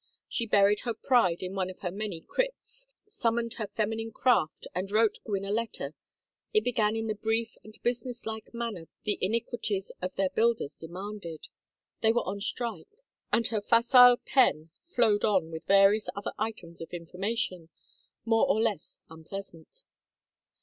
She buried her pride in one of her many crypts, summoned her feminine craft, and wrote Gwynne a letter. It began in the brief and business like manner the iniquities of their builders demanded they were on strike and her facile pen flowed on with various other items of information, more or less unpleasant.